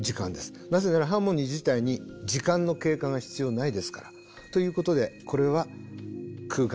なぜならハーモニー自体に時間の経過が必要ないですから。ということでこれは空間です。